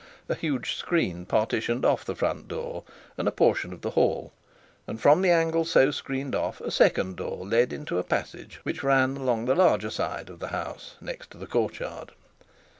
A huge screen partitioned off the front door and a portion of the hall, and from the angle so screened off a second door led into a passage, which ran along the larger side of the house next to the courtyard.